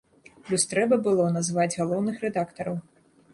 Плюс трэба было назваць галоўных рэдактараў.